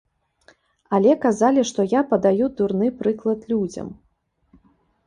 Але казалі, што я падаю дурны прыклад людзям.